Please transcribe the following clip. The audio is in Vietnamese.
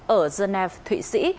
ở geneva thụy sĩ